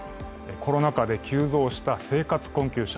コロナ禍で急増した生活困窮者。